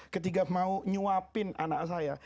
ketika mau nyuapin anak saya